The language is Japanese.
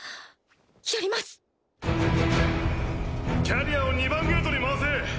キャリアを２番ゲートに回せ。